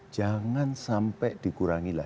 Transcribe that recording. jangan sampai dikurangi lah